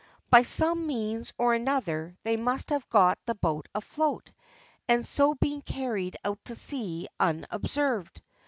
By some means or other they must have got the boat afloat, and so been carried out to sea unobserved.